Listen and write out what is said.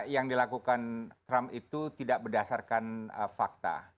yang dilakukan trump itu tidak berdasarkan fakta